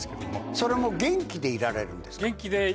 それも元気でいられるんですか？